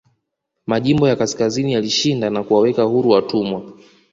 Majimbo ya kaskazini yalishinda na kuwaweka huru watumwa